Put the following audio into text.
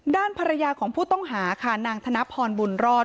ด้านภรรยาของผู้ต้องหาค่ะนางธนพรบุญรอด